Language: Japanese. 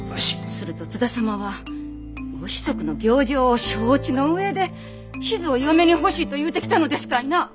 すると津田様は御子息の行状を承知の上で志津を嫁に欲しいと言うてきたのですかいな？